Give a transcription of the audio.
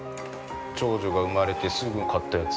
長女が産まれてすぐ買ったやつ。